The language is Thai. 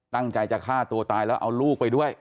ตั้งใจจะฆ่าตัวตายแล้วเอาลูกไปด้วย